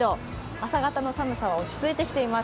朝方の寒さは落ち着いてきています。